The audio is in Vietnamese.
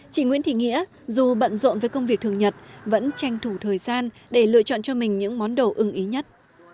chị nguyễn thị nghĩa dù bận rộn với công việc thường nhật vẫn tranh thủ thời gian để lựa chọn cho mình những món đồ ưng ý nhất